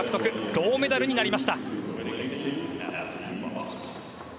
銅メダルになりました。